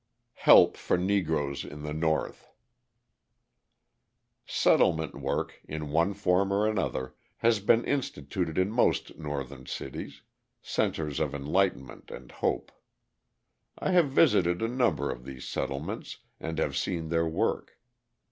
Help for Negroes in the North Settlement work, in one form or another, has been instituted in most Northern cities, centres of enlightenment and hope. I have visited a number of these settlements and have seen their work.